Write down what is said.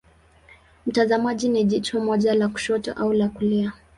Mtazamaji ni jicho moja la kushoto au la kulia.